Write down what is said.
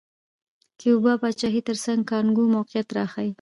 د کیوبا پاچاهۍ ترڅنګ د کانګو موقعیت راښيي.